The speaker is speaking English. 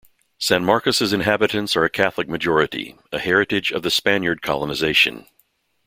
San Marcos' inhabitants are a Catholic majority, a heritage of the Spaniard Colonization.